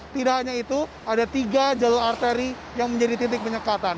tidak hanya itu ada tiga jalur arteri yang menjadi titik penyekatan